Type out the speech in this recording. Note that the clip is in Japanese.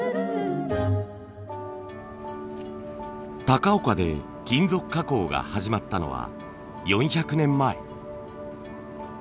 高岡で金属加工が始まったのは４００年前。